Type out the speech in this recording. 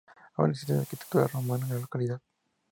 Aún existe arquitectura romana en la localidad.